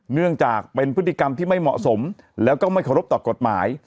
เนื่องจากเป็นพฤติกรรมที่ไม่เหมาะสมแล้วก็ไม่เคารพต่อกฎหมาย